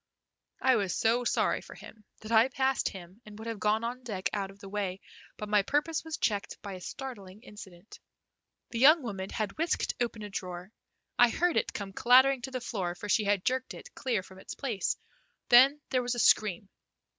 I was so sorry for him that I passed him and would have gone on deck out of the way, but my purpose was checked by a startling incident. The young woman had whisked open a drawer. I heard it come clattering to the floor, for she had jerked it clear from its place; then there was a scream.